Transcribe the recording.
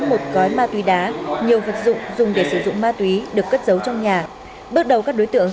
một gói ma túy đá nhiều vật dụng dùng để sử dụng ma túy được cất giấu trong nhà bước đầu các đối tượng